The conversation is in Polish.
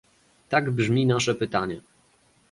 Tak brzmi nasze pytanie